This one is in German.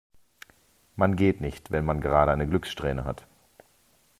Man geht nicht, wenn man gerade eine Glückssträhne hat.